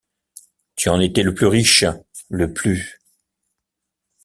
Tu en étais le plus riche, le plus...